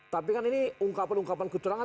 tapi kan ini ungkapan ungkapan keterangan